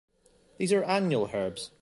These are annual herbs.